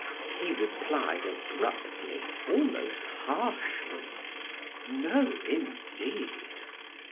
He replied abruptly, almost harshly: "No, indeed."